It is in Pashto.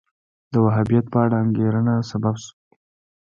د وهابیت په اړه انګېرنه سبب شو